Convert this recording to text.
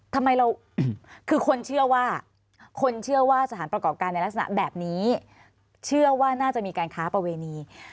ทำไมเราคือคนเชื่อว่าคนเชื่อว่าสถานประกอบการในลักษณะแบบนี้เชื่อว่าน่าจะมีการค้าประเวณี